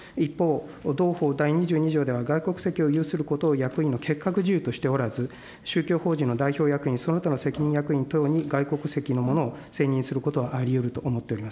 一方、同法第２２条では、外国籍を有することを役員の欠格事由としておらず、宗教法人の代表役員、その他の責任役員等に外国籍のものを選任することはありうると思っています。